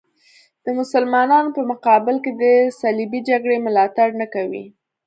د مسلمانانو په مقابل کې د صلیبي جګړې ملاتړ نه کوي.